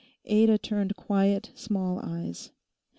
Ada turned quiet small eyes.